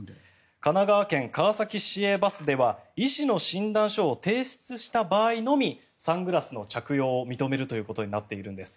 神奈川県川崎市営バスでは医師の診断書を提出した場合のみサングラスの着用を認めるということになっているんです。